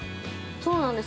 ◆そうなんです。